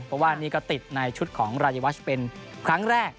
เพราะว่านี่ก็ติดในชุดของรายวัชเป็นครั้งแรก